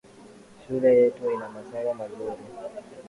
Shule yetu ina masomo mazuri